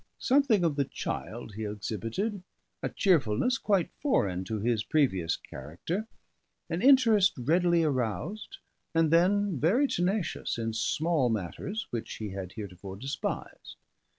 Something of the child he exhibited: a cheerfulness quite foreign to his previous character, an interest readily aroused, and then very tenacious, in small matters which he had heretofore despised.